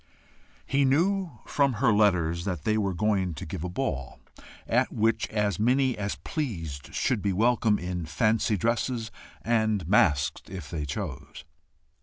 He knew from her letters that they were going to give a ball, at which as many as pleased should be welcome in fancy dresses, and masked if they chose.